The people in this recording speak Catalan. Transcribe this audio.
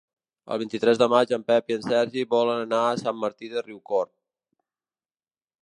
El vint-i-tres de maig en Pep i en Sergi volen anar a Sant Martí de Riucorb.